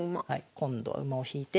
今度は馬を引いて。